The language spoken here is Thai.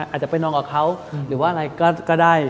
อาจจะไปนอนกับเขาหรือว่าอะไรก็ได้